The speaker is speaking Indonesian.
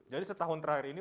jadi setahun terakhir ini